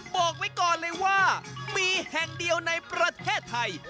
บอกไว้ก่อนเลยว่ามีแห่งเดียวในประเทศไทย